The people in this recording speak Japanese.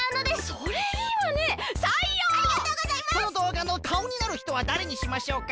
そのどうがのかおになるひとはだれにしましょうか？